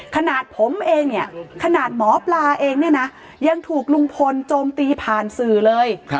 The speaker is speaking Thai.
ขนาดผมเองเนี่ยขนาดหมอปลาเองเนี่ยนะยังถูกลุงพลโจมตีผ่านสื่อเลย